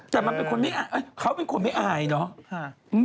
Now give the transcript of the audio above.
แต่เขาเป็นคนไม่อายเนอะ